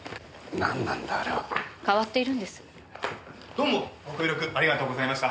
どうもご協力ありがとうございました。